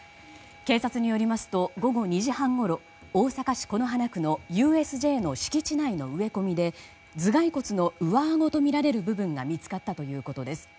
警察によりますと午後２時半ごろ大阪市此花区のＵＳＪの敷地内の植え込みで頭蓋骨の上あごとみられる部分が見つかったということです。